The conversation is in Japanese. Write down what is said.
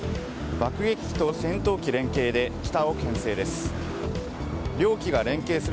爆撃機と戦闘機連携で北を牽制です。